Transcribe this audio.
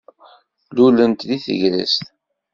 Lulent deg tegrest.